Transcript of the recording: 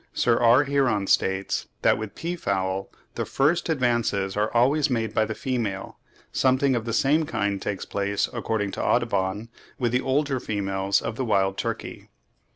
Sir R. Heron states that with peafowl, the first advances are always made by the female; something of the same kind takes place, according to Audubon, with the older females of the wild turkey.